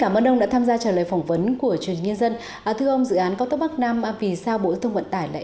bộ trưởng bộ đối tác công tư bộ giao thông vận tải